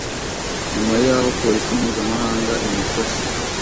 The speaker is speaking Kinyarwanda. nyuma y’aho Polisi Mpuzamahanga imufashe